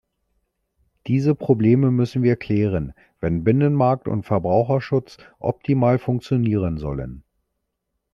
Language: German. Diese Probleme müssen wir klären, wenn Binnenmarkt und Verbraucherschutz optimal funktionieren sollen.